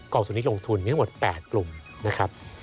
กองทุนนี้ลงทุนมีทั้งหมด๘กลุ่มนะครับ